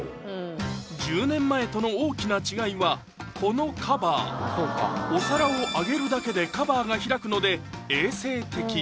１０年前との大きな違いはこのカバーお皿を上げるだけでカバーが開くので衛生的